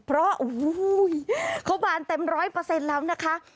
เพราะโอ้โหเขาบานเต็มร้อยเปอร์เซ็นต์แล้วนะคะ